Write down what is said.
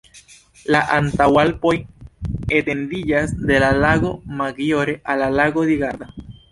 La Antaŭalpoj etendiĝas de la Lago Maggiore al la Lago di Garda.